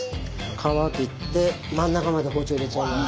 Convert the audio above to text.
皮切って真ん中まで包丁入れちゃいます。